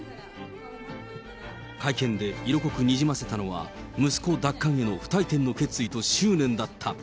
会見で、色濃くにじませたのは、息子奪還への不退転の決意と執念だった。